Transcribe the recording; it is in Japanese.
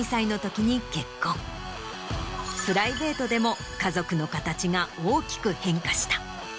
プライベートでも家族の形が大きく変化した。